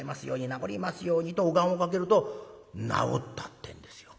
治りますように」とお願をかけると治ったってんですよ。